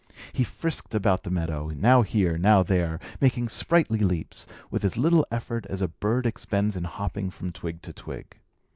He frisked about the meadow, now here, now there, making sprightly leaps, with as little effort as a bird expends in hopping from twig to twig.